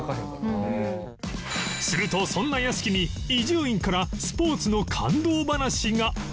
するとそんな屋敷に伊集院からスポーツの感動話が